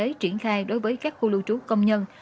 công tác triển khai đối với các khu lưu trú công nhân